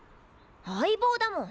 相棒だもん。